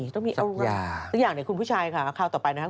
สักอย่างหน่อยคุณผู้ชายค่ะคราวต่อไปนะครับ